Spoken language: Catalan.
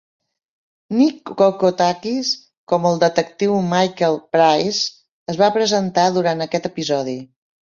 Nick Kokotakis, com el detectiu Michael Price, es va presentar durant aquest episodi.